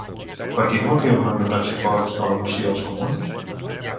Per quin motiu no han donat suport a la moció els comuns?